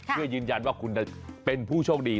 เพื่อยืนยันว่าคุณจะเป็นผู้โชคดี